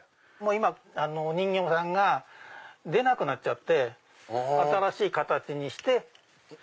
今お人形さんが出なくなっちゃって新しい形にして。